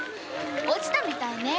落ちたみたいね。